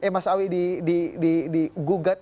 mas sawi di gugat